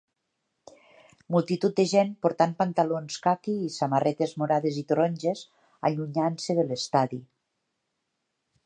Multitud de gent portant pantalons caqui i samarretes morades i taronges allunyant-se de l"estadi.